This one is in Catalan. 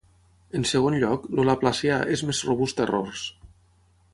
En segon lloc, el laplacià és més robust a errors.